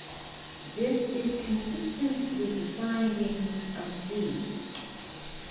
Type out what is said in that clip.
This is consistent with the findings of Z.